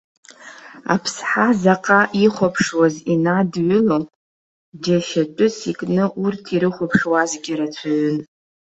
Аԥсҳа заҟа ихәаԥшуаз инадҩыло, џьашьатәыс икны урҭ ирыхәаԥшуазгьы рацәаҩын.